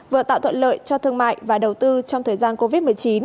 vừa tạo thuận lợi cho thương mại và đầu tư trong thời gian covid một mươi chín